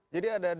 jadi ada dua